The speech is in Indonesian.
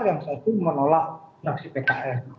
yang satu menolak fraksi pkr